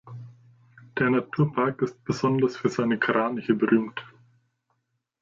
Der Naturpark ist besonders für seine Kraniche berühmt.